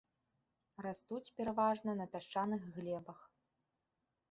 Растуць пераважна на пясчаных глебах.